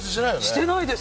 してないです。